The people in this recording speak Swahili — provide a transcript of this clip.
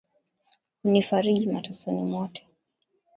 Hunifariji matesoni mwote,